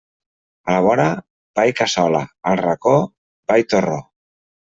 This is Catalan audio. A la vora, pa i cassola; al racó, pa i torró.